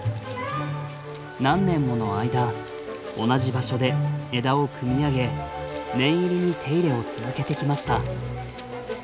何年もの間同じ場所で枝を組み上げ念入りに手入れを続けてきました。